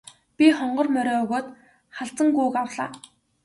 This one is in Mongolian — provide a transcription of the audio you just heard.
Би хонгор морио өгөөд халзан гүүг авлаа.